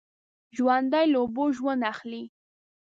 ژوندي له اوبو ژوند اخلي